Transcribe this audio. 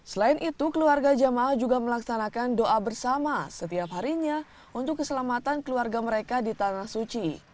selain itu keluarga jamaah juga melaksanakan doa bersama setiap harinya untuk keselamatan keluarga mereka di tanah suci